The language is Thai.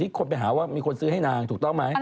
คนไปหาว่ามีคนซื้อให้นางถูกต้องไหม